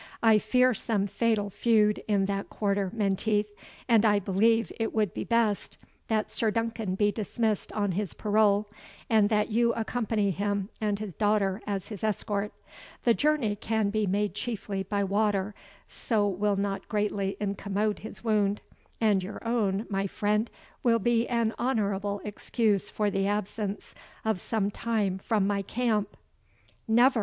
I fear some fatal feud in that quarter, Menteith and I believe it would be best that Sir Duncan be dismissed on his parole, and that you accompany him and his daughter as his escort. The journey can be made chiefly by water, so will not greatly incommode his wound and your own, my friend, will be an honourable excuse for the absence of some time from my camp." "Never!"